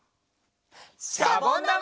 しゃぼんだま！